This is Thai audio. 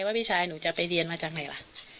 พี่ชายหนูจะไปเรียนมาจากไหนล่ะ